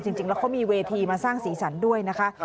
จริงแล้วเขามีเวทีมาสร้างสีสันด้วยนะคะ